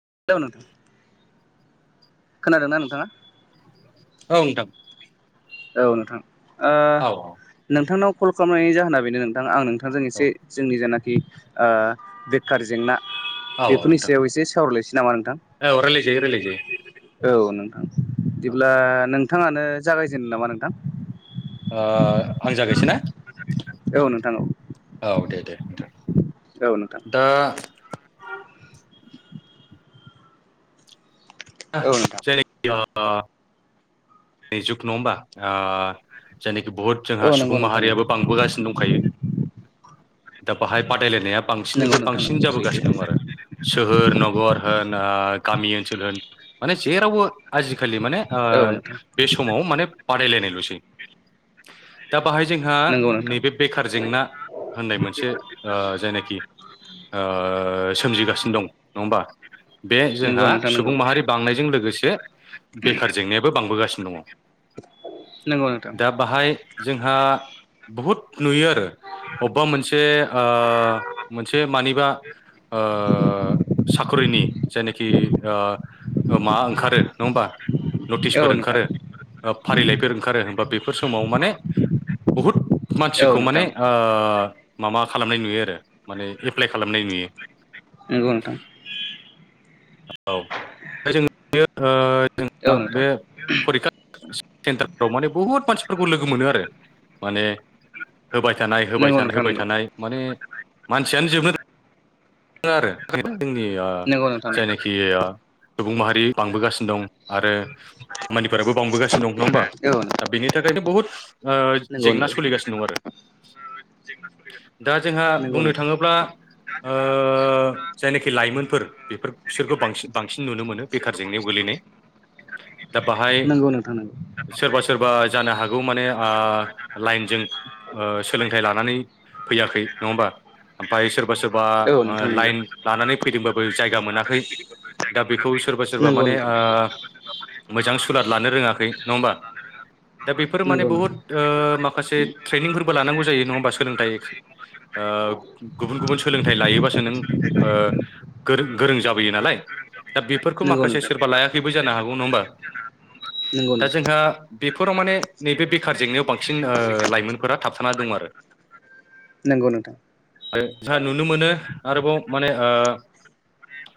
[unintelligible] नोंथां। खोनादोंना‌ नोंथाङा? औ नोथां। औ नोंथां ओ नोंथांनाव कल खालामनायनि जाहोना बेनो नोंथां आं नोंथां नोंथांजों औ एसे जोंनि जेनाखि ओ बेखार जेंना औ औ बेफोरनि नोंथां सायाव एसे सावरायलायसै नामा नोंथां औ रायलायजायो रायलायजायो औ नोंथां औ बिदिब्ला नोंथाङानो जागायजेननो नामा नोंथां ओ आं जागायसै ना औ नोंथां औ। [inaudible] औ नोंथां। दा [unintelligible] नि जुग नङा होमबा ओ जेनि बुहुत जोंहा औ नोंथां औ नंगौ सुबुं नोंथां नंगौ माहारियाबो बांबोगासिनो दंखायो दा बाहाय बादायलायनाया नंगौ बांसिननिफ्राय नोंथां बांसिन नंगौ सैथो जाबोगासिनो दं आरो सोहोर नगर होन ओ गामि ओनसोल होन माने जेरावबो आजिखालि माने ओ औ नोंथां बे समाव माने बादायलायनाय लसै दा बाहाय जोंहा नंगौ नोंथां नैबे बेखार जेंना होननाय मोनसे ओ जायनाखि ओ सोमजिगासिनो दं नङा होमबा बे नंगौ जोंहा नोंथां नंगौ सुबुं माहारि बांनायजों लोगोसे बेखार जेंनायाबो बांबोगासिनो नंगौ नोंथां दा बाहाय जोंहा बुहुद नुयो आरो। अबबा मोनसे ओ मोनसे मानिबा ओ साखरिनि जायनाखि ओ मा ओंखारो नङा होमबा। औ नटिसफोर नोंथां। ओंखारो ओ, फारिलाइफोर ओंखारो होमबा । बेफोर समाव माने बुहुद औ मानसिखौ नोंथां माने ओ माबा खालामनाय नुयो आरो माने एप्लाइ खालामनाय नुयो। नंगौ नोंथां‌ औ जों औ जोंना नोंथां बे फरिखा- सेन्टारफ्राव माने बुहुत मानसिफोरखौ लोगो मोनो आरो माने होबाय थानाय होबाय नंगौ थानाय नोंथां होबाय नंगौ थानाय माने मानसियानो जोबनो आरो जोंनि नंगौ नोंथां नंगौ जायनाखि सुबुं माहारि बांबोगासिनो दं। आरो मानिफोराबो बांबोगासिनो दं। नङा होमबा? औ दा नोंथां बेनि थाखायनो बहुद ओ नंगौ जेंना नंगौ सोलिगासिनो दं आरो दा जोंहा नंगौ बुंनो नोंथां थाङोब्ला ओ जायनाखि लाइमोनफोर बेफोर बिसोरखौ बांसिन बांसिन नुनो मोनो बेखार जेंनायाव गोलैनाय। दा बाहाय नंगौ नोंथां नंगौ सोरबा सोरबा जानो हागौ माने ओ लाइनजों ओ सोलोंथाइ लानानै फैयाखै । नङा होमबा? ओमफ्राय सोरबा सोरबा ओ औ ओ नोंथां नंगौ लाइन लानानै फैदोंबाबो जायगा लानानै मोनाखै। फैदोंबाबो जायगा दा बेखौ मोनाखै सोरबा सोरबा नंगौ माने नोंथां ओ मोजां सुलाद लानो रोङाखै। नङा ओमबा? दा बेफोर माने नंगौ बुहुत नोंथां ओ माखासे ट्रेइनिंफोरबो लानांगौ जायो नङा होमबा सोलोंथाइ ओ गुबुन गुबुन सोलोंथाइ लायोबासो नों ओ गोंरों-गोरों जाबोयो नालाय। दा बेफोरखौ नंगौ माखासे नोंथां सोरबा लायाखैबो जानो हागौ। नङा होमबा? नंगौ दा नोंथां जोंहा बेफोराव माने नैबे बेखार जेंनायाव बांसिन ओ लाइमोनफोरा थाबथाना दं आरो। नंगौ नोंथां। जा नुनो मोनो आरोबाव माने ओ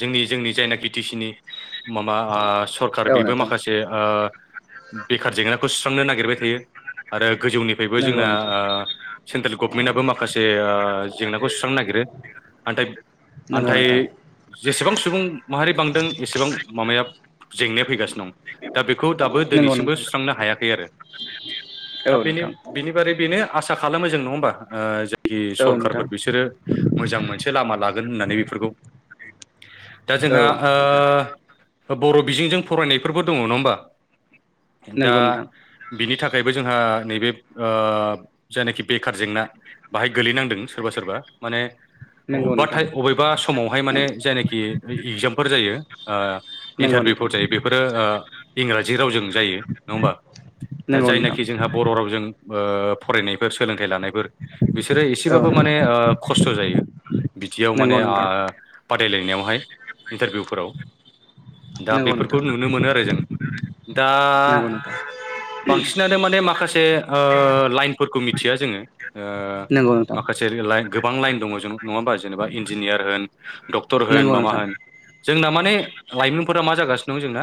जोंनि जोंनि जायना बिटि सि नि माबा ओ सरखार औ बेबो नोंथां माखासे ओ बेखार जेंना खौ सुस्रांनो नागिरबाय थायो। आरो गोजौनिफ्रायबो नंगौ जोंना नोंथां सेन्ट्रेल गभमेन्टआबो माखासे ओ जेंना- सुस्रांनो नागिरो नाथाय- नोंगौ नोंथां। जेसेबां सुबुं माहारि बांदों एसेबां माबाया जेंनाया फैगासिनो दं। दा बेखौ दा- बो नंगौ दिनैसिमबो नोंथां सुस्रांनो हायाखै आरो। दा औ बेनि नोंथां बेनि बादै बेनो आसा खालामो जों नङा होमबा जायखि औ सरखार- नोंथां फोर बिसोरो मोजां मोनसे लामा लागोन होननानै बेफोरखौ दा औ जोंहा नोंथां ओ बर' बिजोंजों फरायनायफोरबो दङ नङा होमबा? दा नंगौ नोंथां बिनि थाखायबो जोंहा नैबे ओ जायनाखि बेखार जेंना बेहाय गोलैनांदों सोरबा सोरबा । माने नंगौ अबेबा नोंथां अबेबा समावहाय माने जायनाखि इगजामफोर जायो। ओ नंगौ नोंथां इन्टारभिउफोर जायो बेफोरो इंराजि रावजों जायो । नङा होमबा? दा नंगौ नोंथां जायनाखि जोंहा बर' रावजों ओ फरायनायफोर सोलोंथाइ लानायफोर बिसोरो औ एसेबाबो- थ' नोंथां माने खस्थ' जायो बिदियाव नंगौ माने नोंथां बादायलायनायावहाय। इन्टारभिउफोराव दा नंगौ बेफोरखौ नोंथां नुनो मोनो आरो जों । दा नंगौ नोंथां बांसिनानो माने माखासे ओ लाइनफोरखौ मिथिया जोङो। ओ नंगौ नोंथां माखासे गोबां लाइन दङ नङा होना जेनेबा इन्जिनियार होन डक्टर होन नंगौ माबा नोंथां होन। जोंना माने लाइमोनफोरा मा जागासिनो दं जोंना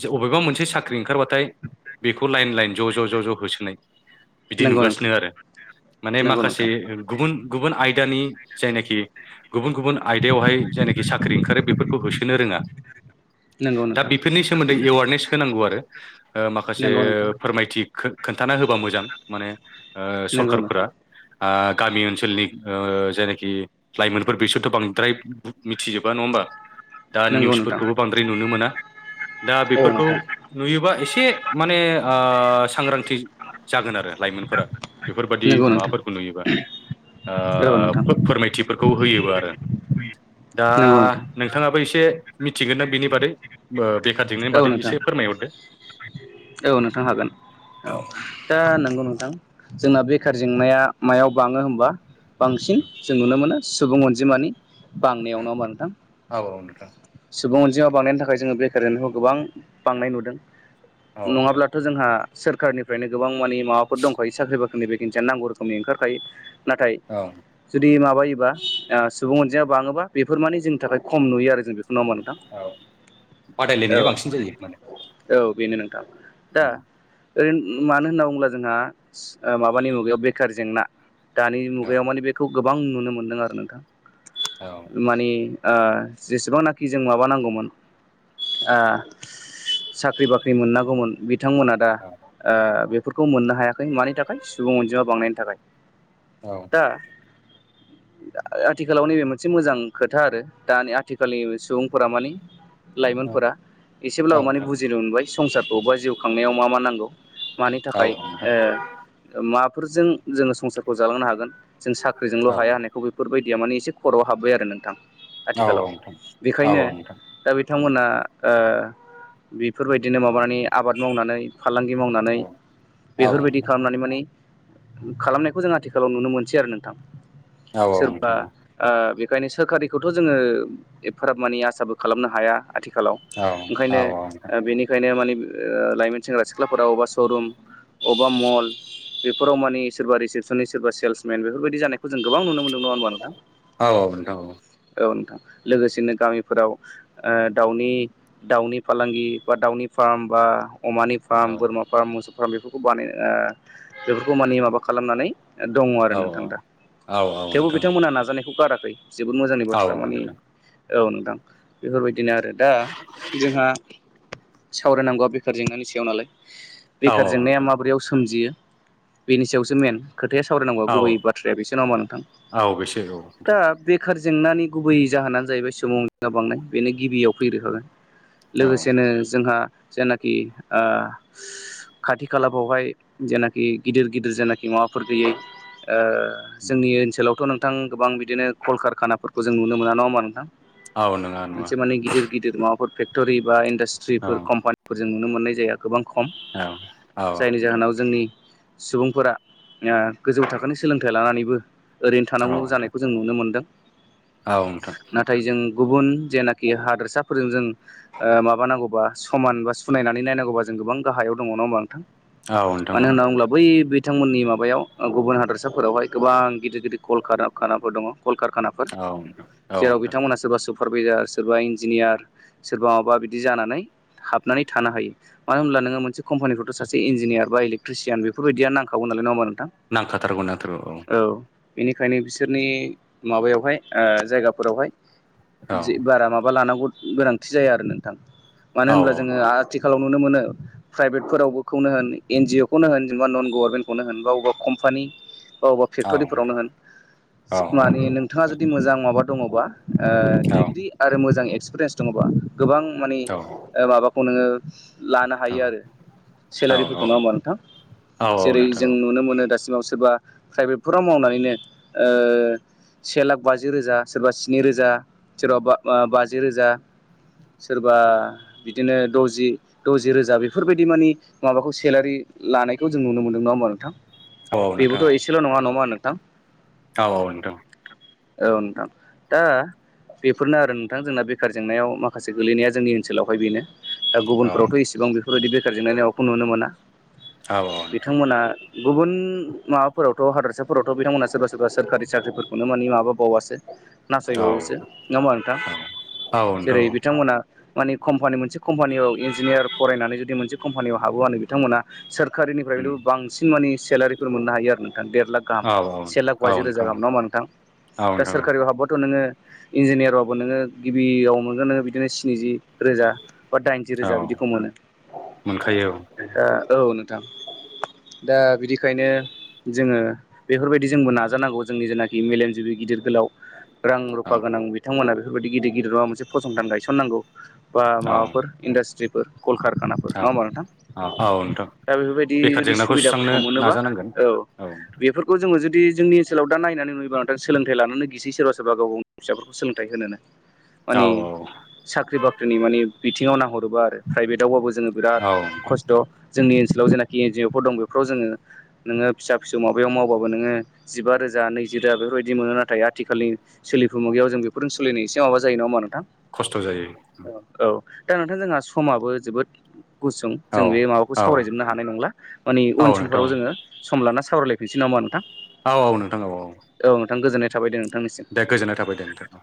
ज अबेबा मोनसे साख्रि ओंखारबाथाय बेखौ लाइन लाइन ज' ज' ज' ज' होसोनाय। बिदि नंगौ नोंथां नुगासिनो आरो माने नंगौ माखासे नोंथां जों गुबुन गुबुन आयदानि जायनाखि गुबुन गुबुन आयदायावहाय जायनाखि साख्रि ओंखारो बेफोर खौ होसोनो रोङा नंगौ दा नोंथां बेफोरनि सोमोन्दै एवारनेस होनांगौ आरो। ओ माखासे नंगौ फोरमायथि खो-खोन्थाना होबा मोजां माने ओ नोंथां सरखारफोरा आ गामि ओनसोलनि ओ जेनोखि लाइमोनफोर बिसोरथ' बांद्राय मिथिजोबा नङा होमबा? दा नंगौ नोंथां नंगौ नोंथां निउसफोरखौबो बांद्राय नुनो मोना दा औ बेफोरखौ नोंथां नुयोबा एसे से माने ओ सांग्रांथि जागोन आरो लाइमोनफोरा बेफोरबादि नंगौ नोंथां माबाफोर खौ नुयोबा औ ओ नोंथां फो-फोरमायथिफोरखौ होयोबा आरो। दा नंगौ नोंथां नोंथाङाबो एसे मिथिगोन ना बिनि बादै? ओ बेखार जेंनानि औ बादै नोंथां एसे फोरमायहरदो। औ नोंथां हागोन औ दा नंगौ नोंथां। जोंना बेखार जेंनाया मायाव बाङो होमबा बांसिन जों नुनो मोनो सुबुं अनजिमानि बांनायाव नङा होमबा नोंथां औ नोंथां सुबुं अनजिमा बांनायनि थाखाय जोङो बे कारेन्टखौ गोबां बांनाय नुदों औ नोंथां नङाब्लाथ' जोंहा सोरखारनिफ्रायनो गोबां माने माबाफोर दंखायो साख्रि बाख्रिनि बेखेन्सिया नांगौ रोखोमनि ओंखारखायो। नाथाय औ जुदि माबायोबा ओ सुबुं अन जिमा बाङोबा बेफोर मानि जोंनि थाखाय खम नुयो आरो जों बेखौ नङा होनबा नोंथां? औ औ बादायलायनाया बांसिन जायो माने। औ बेनो नोंथां दा ओरै मानो होनना बुङोब्ला जोंहा ओ माबानि मुगायाव बेखार जेंना दानि औ मुगायाव माने बेखौ गोबां नुनो मोनदों आरो नोंथां औ माने ओ जेसेबांनाखि जों माबा नांगौमोन ओ साख्रि बाख्रि मोननांगौमोन बिथांमोना दा औ ओ बे फोरखौ मोननो हायाखै मानि थाखाय सुबुं अनजिमा बांनायनि थाखाय। औ। दा [inaudible] आथिखालाव नैबे मोनसे मोजां खोथा आरो दानि आथिखालनि सुबुंफोरा माने औ लाइमोनफोरा औ एसेब्लाबो माने नोंथां बुजिनो मोनबाय संसारखौ बा जिउ खांनायाव मा मा नांगौ। मानि औ थाखाय नोंथां ओ माफोरजों जोङो संसार खौ जालांनो हागोन जों साख्रिजोंल' औ हाया नोंथां होननायखौ बेफोरबायदिया माने एसे खर'आव हाब्बाय आरो नोंथां। औ आथिखालाव नोंथां औ बेखायनो औ नोंथां दा बे थांमोना ओ बेफोरबायदिनो माबानानै आबाद मावनानै फालांगि औ मावनानै औ बेफोरबायदि नोंथां खालामनानै माने खालामनायखौ जों आथिखालाव नुनो मोनसै आरो नोंथां औ सोरबा नोंथां औ ओ बे खायनो सोरखारखौथ' जोङो एफाराब मानि आसाबो खालामनो हाया आथि खालाव औ ओंखायनो नोंथां ओ बेनिखायनो माने बे ओ लाइमोन सेंग्रा सिख्लाफोरा अबबा श रुम अबबा मल बेफोराव मानि सोरबा रिसिप सननि सोरबा सेल्समेन बेफोरबायदि जानायखौ जों गोबां नुनो मोनदों नङा होनबा नोंथां? औ औ नोंथां औ। औ नोंथां लोगोसेनो गामिफोराव ओ दाउनि दाउनि फालांगि बा दाउनि फार्म बा अमानि फार्म बोरमा फार्म मोसौ फार्म बेफोरखौ बानाय ओ बेफोरखौ माने माबा खालामनानै दङ आरो नोंथां दा थेवबो बिथांमोनहा नाजानायखौ गाराखै। जोबोद मोजांनि बाथ्रा मानि औ नोंथां बेफोरबायदि दिनो आरो दा जोंहा सावरायनांगौआ बेखार जेंनानि सायाव नालाय बेखार औ जेंनाया नोंथां माबोरैयाव सोमजियो बेनि सायावसो मेन। खोथाया सावरायनांगौ औ गुबै बाथ्राया बेसो नङा होनबा नोंथां औ बेसो दा बे बेखार जेंनानि गुबै जाहोनानो जाहैबाय सुबुं अनजिमा बांनाय बेनो गिबियाव फैग्रोखागोन औ लोगोसेनो जोंहा जायनाखि ओ खाथि खालाफ्रावहाय जेनाखि गिदिर-गिदिर जेनाखि माबाफोर गैयै ओ जोंनि ओनसोलावथ' नोंथां गोबां बिदिनो कलकारखानाफोरखौ जों नुनो मोना नङा होनबा नोंथां औ नुवा मोनसे माने गिदिर गिदिर माबाफोर फेक्ट'रि बा औ इन्डास्ट्रिफोर कम्पानिफोरजों नुनो मोननाय जाया गोबां खम औ जायनि जाहोनाव जोंनि सुबुंफोरा ओ गोजौ थाखोनि सोलोंथाइ लानानैबो ओरैनो नोंथां औ थानांगौ नोंथां जानायखौ जों नुनो मोनदों औ नोंथां नाथाय जों गुबुन जेनाखि हादोरसाफोरजों जों माबानांगौबा समान बा सुनायनानै नायनांगौबा जों गोबां गाहायाव दङ नङा होनबा नोंथां औ नोंथां मानो होननानै बुङोब्ला बै बे बिथांमोननि माबायाव गुबुन हादरसाफोरावहाय गोबां गिदिर गिदिर कल खार खानाफोर दङ कलकारखानाफोर औ नोंथां औ जेराव नोंथां बिथांमोना सोरबा सुबुं सोरबा इन्जिनियार सोरबा माबा बिदि जानानै हाबनानै थानो हायो मानो होनब्ला नोङो मोनसे कम्पानिनिखौथ' सासे इन्जिनियार बा इलेक्ट्रिसियान बेफोरबायदिया नांखागौ नालाय नङा होनबा नांखाथारगौ नांथारगौ औ बेनिखायनो बिसोरनि माबायावहाय जायगाफोरावहाय औ बारा माबा लानांगौ गोनांथि जाया आरो नोंथां मानो औ होनोब्ला औ जोङो नोंथां आथिखालाव नुनो मोनो प्राइभेटफोरावबोनो होन एन जि अ खौनो होन जेनबा नन गभर्नमेन्टखौनो होन बा बबेबा कम्पानि बबा फेक्ट'रिफोरावनो होन औ माने नोंथाङा जुदि मोजां माबा दङबा औ ओ आरो मोजां एक्सपिरियेन्स दङबा गोबां माने माबाखौ नोङो लानो औ हायो आरो औ सेलारिफोरखौ नङा होमबा नोंथां औ जेरै नोंथां जों नुनो मोनो दासिमाव सोरबा प्राइभेटफोराव मावनानैनो ओ से लाख बाजि रोजा सोरबा स्नि रोजा सोरबा बाजि रोजा सोरबा बिदिनो द'जि द'जि रोजा बेफोरबायदि मानि माबाखौ सेलारि लानायखौ जों नुनो मोनदों नङा होनबा नोंथां औ औ बेबोथ' नोंथां एसेल' नङा होनबा नोंथां औ नोंथां औ नोंथां दा बेफोरनो आरो नोंथां जोंना बेखार जेंनायाव माखासे गोलैनाया जोंनि ओनसोलावहाय बेनो दा गुबुनफोरावथ' इसेबां बेफोरबायदि बेखार जेंनाय माखौ नुनो मोना औ नोंथां बिथांमोना गुबुन माबाफोरावथ' हादरसाफोरावथ' बिथांमोना सोरबा सोरबा सोरखारि साख्रिफोरखौनो मानिे माबा बावासो औ नासयबावोसो नङा होनबा नोंथां जेरै औ बिथांमोना मानि कम्पानि मोनसे कम्पानियाव इन्जिनियार फरायनानै जुदि मोनसे कम्पानियाव हाबोबानो बिथांमोना सोरखारिनिफ्रायथ' बांसिन मानिे सेलारिफोर मोननो हायो आरो न देर लाख गाहाम से लाख नोंथां बाजि रोजा गाहाम नङा होनबा नोंथां औ दा नोंथां सोरखारि हाब्बाथ' नोङो इन्जिनियारबाबो नोङो गिबियाव मोनगोन नोङो बिदिनो स्निजि रोजा बा दाइनजि औ रोजा बिदिखौ मोनो मोनखायो औ नोंथां दा बिदिखायनो जोङो बेफोरबायदि जोंबो नाजानांगौ जोंनि जेनाखि मेलेमजिबि गिदिर गोलाव रां रु औ फा गोनां बिथांमोना बेफोरबायदि गिदिर गिदिर माबा मोनसे फसंथान गायसननांगौ बा माबाफोर इन्डास्ट्री कलकारखाफोर औ नङा होमबा नोंथां औ नोंथां दा बेफोरबायदि बेखार जुदि जेंनाखौ सुस्रांनो सुबिदाफोरखौ मोनोबा नाजानांगोन औ बेफोरखौ जोङो जुदि जदि जोंनि ओनसोलाव दा नायनानै नुयोबा नोंथां सोलोंथाय लानोनो गिसै सोरबा सोरबा गाव गावनि फिसाफोरखौ सोलोंथाइ होनोनो औ माने साख्रि बाख्रिनि माने बिथिङाव नाहरोबा आरो प्राइभेटआवबाबो जों जोङो बिराद औ खस्थ' जोंनि ओनसोलाव जेनाखि एन जि अ फोर दं बेफोराव जोङो नोङो फिसा फिसौ माबायाव मावबाबो नोङो जिबा रोजा नैजि रा बेफोरबायदि मोनो नाथाय आथिखालनि सोलिफु मुगायाव जों बेफोरजों सलिनो एसे माबा जायो नङा नोंथां खस्थ' जायो औ दा नोंथां जोंहा समाबो जोबोद गुसुं औ जों बे माबाखौ औ सावरायजोबनो हानाय नंला माने औ उन नोंथां समफोराव जोङो सम लाना सावराय नसे नामा नोंथां औ औ नोंथां औ नोंथां गोजोननाय थाबायदे नोंथांनिसिम दे गोजोननाय थाबाय दे नोंथां औ